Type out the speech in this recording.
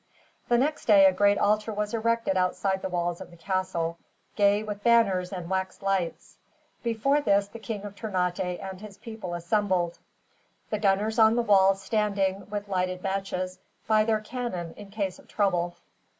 The next day a great altar was erected outside the walls of the castle, gay with banners and wax lights. Before this the King of Ternate and his people assembled, the gunners on the walls standing, with lighted matches, by their cannon in case of trouble.